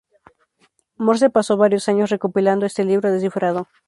Morse pasó varios años recopilando este libro de cifrado.